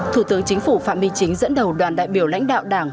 thủ tướng chính phủ phạm minh chính dẫn đầu đoàn đại biểu lãnh đạo đảng